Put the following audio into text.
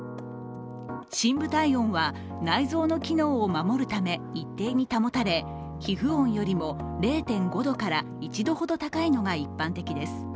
深部体温は内臓の機能を守るため一定に保たれ、皮膚温よりも０．５度から１度ほど高いのが一般的です。